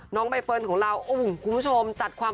น้องใบเฟิร์นของเราคุณผู้ชม